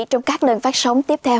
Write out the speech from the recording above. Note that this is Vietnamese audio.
trong các lần phát sóng tiếp theo